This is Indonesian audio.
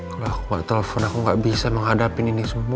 kalau aku gak telpon aku gak bisa menghadapi ini semua